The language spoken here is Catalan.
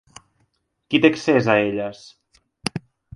Qui te accés a elles?